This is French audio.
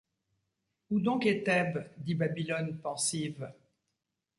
Où donc est Thèbes? dit Babylone pensive.